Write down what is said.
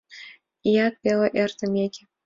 Ият пеле эртымеке